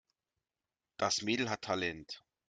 Das Mädel hat Talent.